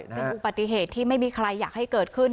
เป็นอุบัติเหตุที่ไม่มีใครอยากให้เกิดขึ้น